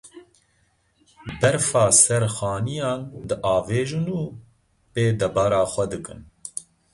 Berfa ser xaniyan diavêjin û pê debara xwe dikin.